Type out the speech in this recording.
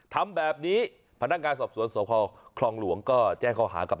ทำแบบนี้พนักงานสอบสวนสพคลองหลวงก็แจ้งข้อหากับ